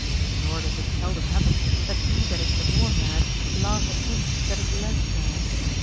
Nor does it seldom happen that he that is the more mad, laughs at him that is less mad.